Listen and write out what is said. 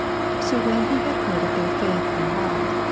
So when he had heard of their faith and love (ch.